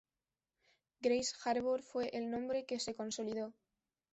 Grays Harbor fue el nombre que se consolidó.